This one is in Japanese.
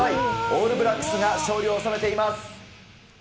オールブラックスが勝利を収めています。